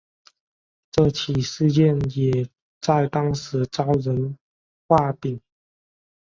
这起事件也在当时招人话柄。